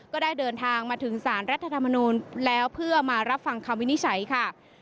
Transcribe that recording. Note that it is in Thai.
ก็ได้เดินทางมาถึงสารรัฐธรรมนูลแล้วเพื่อมารับฟังคำวินิจฉัยค่ะ